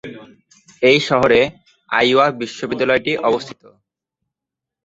এই শহরে আইওয়া বিশ্ববিদ্যালয়টি অবস্থিত।